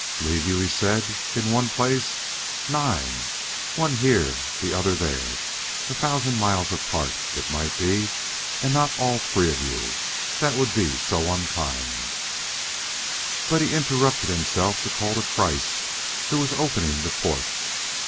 "Leave you," he said, "in one place? Nein! One here, the other there. A thousand miles apart, it might be. And not all three of you. That would be so unkind " He interrupted himself to call to Kreiss who was opening the port.